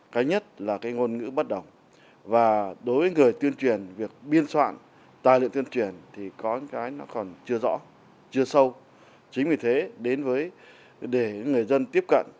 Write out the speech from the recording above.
chính vì thế để người dân tiếp cận